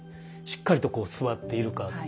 しっかりとこう座っているか。